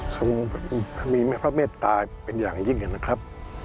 สมมุติที่พระเมฆตายเป็นอย่างยิ่งนะครับ